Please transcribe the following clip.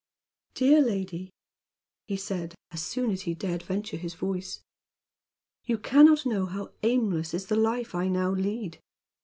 "Dear lady," he said, as soon as he dared venture his voice, "you can not know how aimless is the life I now lead.